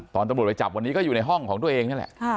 ตำรวจไปจับวันนี้ก็อยู่ในห้องของตัวเองนี่แหละ